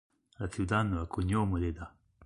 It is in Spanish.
La ciudad no acuñó moneda.